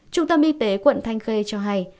trung tâm y tế quận thanh khê cho hay